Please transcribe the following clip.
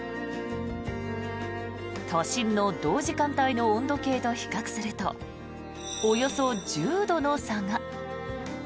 都心の同時間帯の温度計と比較するとおよそ１０度の差が。